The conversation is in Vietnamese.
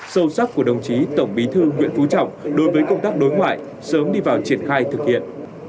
sâu sắc của đồng chí tổng bí thư nguyễn phú trọng đối với công tác đối ngoại sớm đi vào triển khai thực hiện